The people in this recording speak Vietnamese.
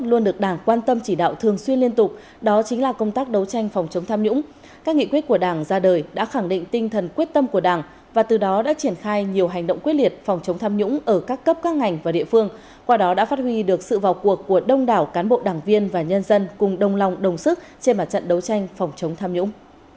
luôn được đảng quan tâm chỉ đạo thường xuyên liên tục đó chính là công tác đấu tranh phòng chống tham nhũng các nghị quyết của đảng ra đời đã khẳng định tinh thần quyết tâm của đảng và từ đó đã triển khai nhiều hành động quyết liệt phòng chống tham nhũng ở các cấp các ngành và địa phương qua đó đã phát huy được sự vào cuộc của đông đảo cán bộ đảng viên và nhân dân cùng đồng lòng đồng sức trên mặt trận đấu tranh phòng chống tham nhũng